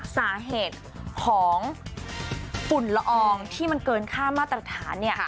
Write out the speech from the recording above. สาเหตุของฝุ่นละอองที่มันเกินค่ามาตรฐานเนี่ย